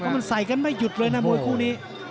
มันใส่กันไม่หยุดเลยนะมวยคู่นี้